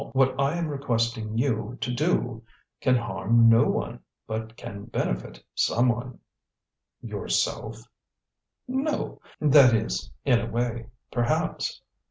What I am requesting you to do can harm no one, but can benefit someone." "Yourself?" "No! That is, in a way, perhaps.